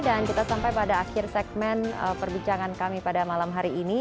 dan kita sampai pada akhir segmen perbincangan kami pada malam hari ini